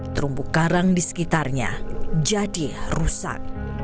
terumbu karang di sekitarnya jadi rusak